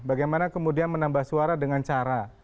bagaimana kemudian menambah suara dengan cara